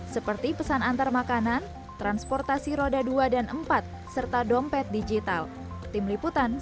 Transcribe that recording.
seperti pesan antar makanan transportasi roda dua dan empat serta dompet digital